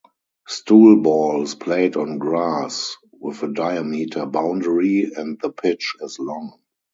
Stoolball is played on grass with a diameter boundary, and the pitch is long.